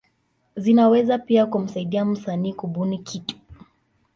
Zinaweza pia kumsaidia msanii kubuni kitu.